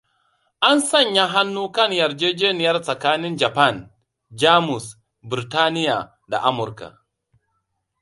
An sanya hannu kan yarjejeniyar tsakanin Japan, Jamus, Burtaniya da Amurka.